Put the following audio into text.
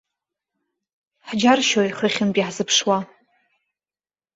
Ҳџьаршьоит хыхьынтә иаҳзыԥшуа.